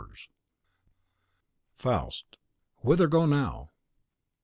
"Faust." (Faust: Whither go now!